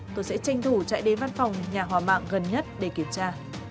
tôi sẽ tranh thủ chạy đến văn phòng nhà hòa mạng gần nhất để kiểm tra